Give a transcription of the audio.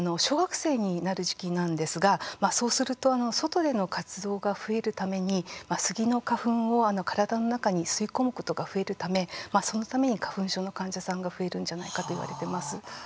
小学生になる時期なんですがそうすると外での活動が増えるために杉の花粉を体の中に吸い込むことが増えるためそのために花粉症の患者さんが増えるんじゃないかといわれています。